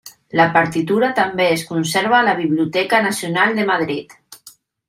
La partitura també es conserva a la Biblioteca Nacional de Madrid.